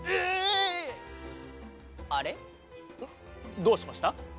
どうしました？